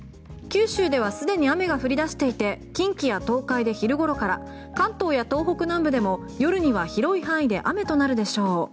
九州では、すでに雨が降り出していて近畿や東海で昼ごろから関東や東北南部でも夜には広い範囲で雨となるでしょう。